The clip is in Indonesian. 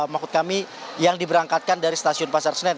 maksud kami yang diberangkatkan dari stasiun pasar senen